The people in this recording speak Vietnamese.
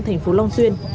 thành phố long xuyên